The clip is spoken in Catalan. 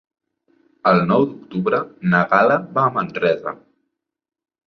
El nou d'octubre na Gal·la va a Manresa.